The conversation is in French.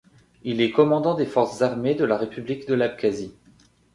Il est commandant des Forces armées de la République de l'Abkhazie.